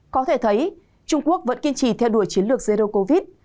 có thể thấy trung quốc vẫn kiên trì theo đuổi chiến lược zero covid